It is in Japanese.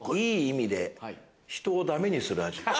いい意味で人をダメにする味。